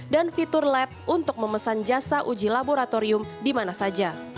dan fitur lab untuk memesan jasa uji laboratorium dimana saja